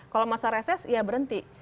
kalau masa reses ya berhenti